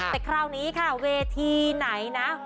แต่คราวนี้ค่ะเวทีไหนนะ